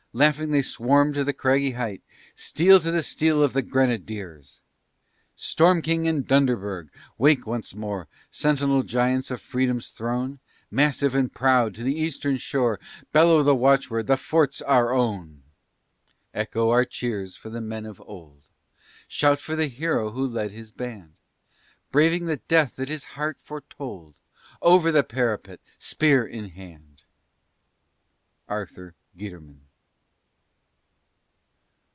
Laughing, they swarmed to the craggy height, Steel to the steel of the Grenadiers! Storm King and Dunderberg! wake once more Sentinel giants of Freedom's throne, Massive and proud! to the Eastern shore Bellow the watchword: "The fort's our own!" Echo our cheers for the Men of old! Shout for the Hero who led his band Braving the death that his heart foretold Over the parapet, "spear in hand!" ARTHUR GUITERMAN.